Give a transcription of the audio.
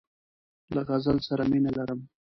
له غزل سره مینه لرم.